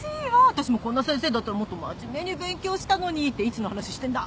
私もこんな先生だったらもっと真面目に勉強したのにっていつの話してんだ？